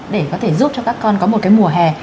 để có thể giúp cho các con có một cái mùa hè